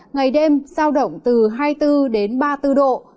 ngày đêm giao động từ hai mươi bốn đến ba mươi bốn độ